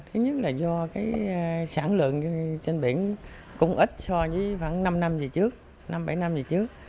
thứ nhất là do cái sản lượng trên biển cũng ít so với khoảng năm năm về trước